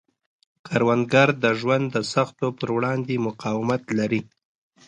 کروندګر د ژوند د سختیو پر وړاندې مقاومت لري